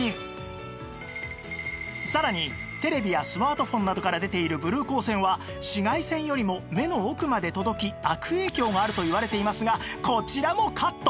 さらにテレビやスマートフォンなどから出ているブルー光線は紫外線よりも目の奥まで届き悪影響があるといわれていますがこちらもカット！